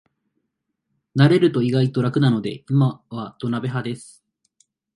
慣れると意外と楽なので今は土鍋派です